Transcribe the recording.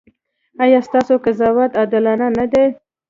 ایا ستاسو قضاوت عادلانه نه دی؟